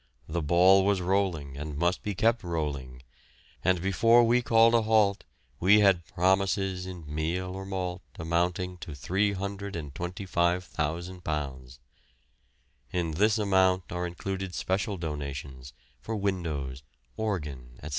The ball was rolling and must be kept rolling, and before we called a halt we had promises in meal or malt amounting to £325,000. In this amount are included special donations for windows, organ, etc.